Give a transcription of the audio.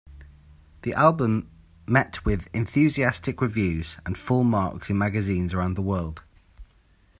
The album met with enthusiastic reviews and full marks in magazines around the world.